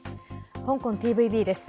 香港ＴＶＢです。